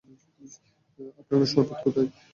আপনার শরবত কোথায়?